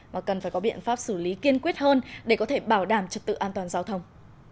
mà cần phải có biện pháp xử lý kiên quyết hơn để có thể bảo đảm trật tự an toàn giao thông